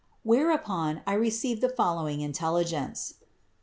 Whereupon I re ceived the following intelligence.